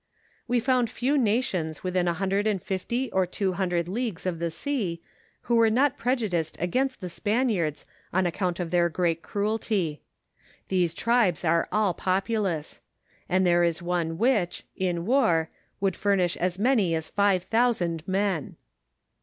We found few nations within a hundred and fifty or two hundred leagues of the sea, who are not prejudiced against the Spaniards on account of their great cruelty. These tribes are all populous ; and there is one which, in war, would fur nish as many as five thousand men.